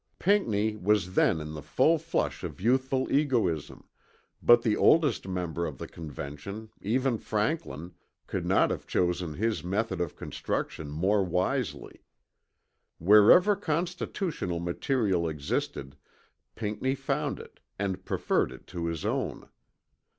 Pinckney was then in the full flush of youthful egoism, but the oldest member of the Convention, even Franklin, could not have chosen his method of construction more wisely. Wherever constitutional material existed, Pinckney found it, and preferred it to his own.